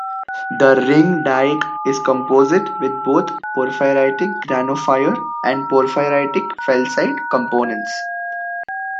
The ring dyke is composite with both porphyritic granophyre and porphyritic felsite components.